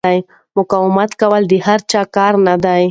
مقاومت کول د هر چا کار نه دی.